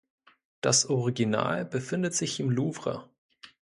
Das Original befindet sich im Louvre.